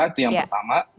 itu yang pertama